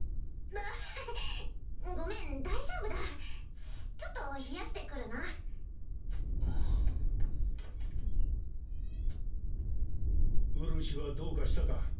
アハハごめん大丈夫だちょっと冷やしてくるなうるしはどうかしたか？